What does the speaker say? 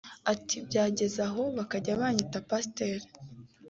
Ati “Byageze aho bakajya banyita pasiteri